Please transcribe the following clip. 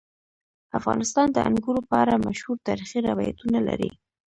افغانستان د انګور په اړه مشهور تاریخی روایتونه لري.